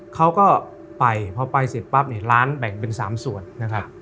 เขาก็ไปพอไปเสร็จปั๊บเนี่ยร้านแบ่งเป็น๓ส่วนนะครับ